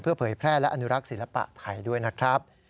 เผยแพร่และอนุรักษ์ศิลปะไทยด้วยนะครับ